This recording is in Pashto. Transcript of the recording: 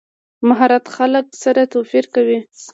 مهارت خلک سره توپیر کوي.